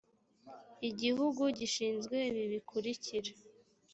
igihugu gishinzwe ibi bikurikira